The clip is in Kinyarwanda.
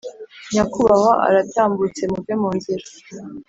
Nyakubahwa aratambutse muve munzira